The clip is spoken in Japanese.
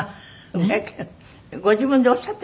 ご自分でおっしゃって。